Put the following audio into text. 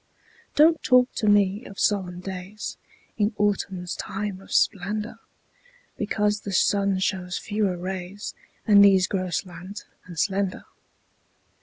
Don't talk to me of solemn days In autumn's time of splendor, Because the sun shows fewer rays, And these grow slant and slender.